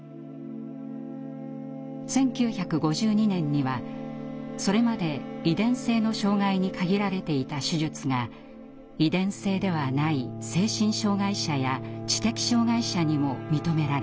１９５２年にはそれまで遺伝性の障害に限られていた手術が遺伝性ではない精神障害者や知的障害者にも認められます。